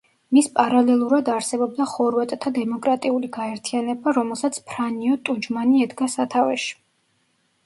მის პარალელურად არსებობდა ხორვატთა დემოკრატიული გაერთიანება, რომელსაც ფრანიო ტუჯმანი ედგა სათავეში.